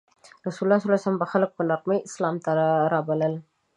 رسول الله به خلک په نرمۍ اسلام ته رابلل.